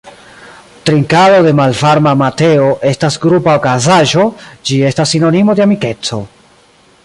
Trinkado de malvarma mateo estas grupa okazaĵo, ĝi estas sinonimo de amikeco.